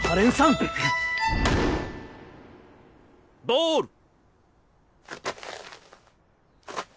ボール。